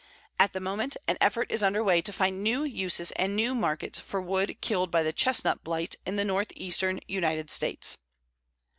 At the moment, an effort is under way to find new uses and new markets for wood killed by the chestnut blight in the northeastern United States.